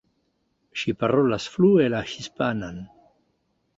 Ŝi parolas flue la hispanan.